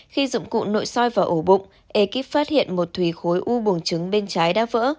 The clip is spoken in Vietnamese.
khi dụng cụ nội soi vào ổ bụng ekip phát hiện một thủy khối u buồng trứng bên trái đã vỡ